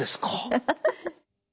ハハハハ。